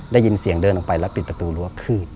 ได้ยินเสียงเดินออกไปแล้วปิดประตูรั้วขึ้น